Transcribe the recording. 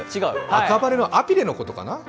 赤羽のアピレのことかな。